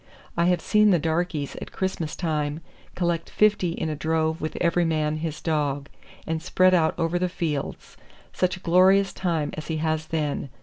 I have seen the darkies at Christmas time collect fifty in a drove with every man his dog, and spread out over the fields. Such a glorious time as he has then!